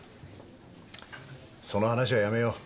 その話はやめよう。